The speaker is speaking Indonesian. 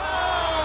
oh tidak pasti